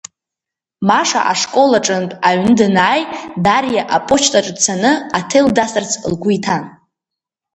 Маша ашкол аҿынтә аҩны данааи Дариа апочтаҿы дцаны, аҭел дасырц лгәы иҭан.